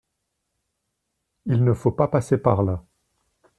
Il ne faut pas passer par là.